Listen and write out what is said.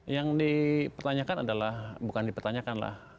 yang dipertanyakan adalah bukan dipertanyakan lah